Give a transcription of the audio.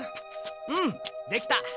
うんできた。